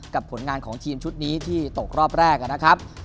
ผลงานของทีมชุดนี้ที่ตกรอบแรกนะครับ